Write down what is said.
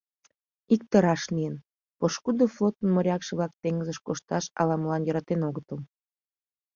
Икте раш лийын: пошкудо флотын морякше-влак теҥызыш кошташ ала-молан йӧратен огытыл.